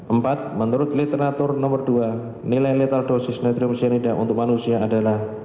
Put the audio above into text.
empat menurut literatur nomor dua nilai letal dosis natrium cyanida untuk manusia adalah